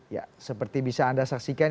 ya seperti bisa anda saksikan